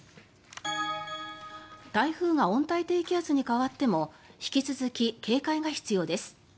台風が温帯低気圧に変わっても引き続き警戒が必要です。